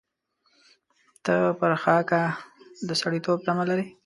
ته پر خاکه د سړېتوب تمه لرې.